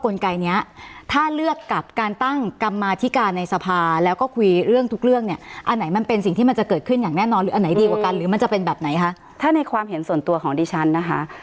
แล้วก็คุยเรื่องทุกเรื่องเนี้ยอันไหนมันเป็นสิ่งที่มันจะเกิดขึ้นอย่างแน่นอนหรืออันไหนดีกว่ากันหรือมันจะเป็นแบบไหนคะถ้าในความเห็นส่วนตัวของดิฉันนะคะ